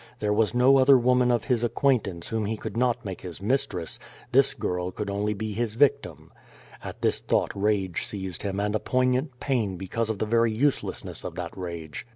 Tiiore was no other woman of his acquaintance whom he could not make his mistress; this girl could only be his nctim. At this thought rage seized him and a poignant pain because of the very uselessness of that rage.